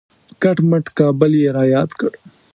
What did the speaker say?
کټ مټ کابل یې را یاد کړ.